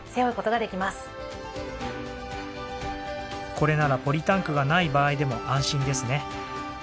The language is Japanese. これならポリタンクがない場合でも安心ですね。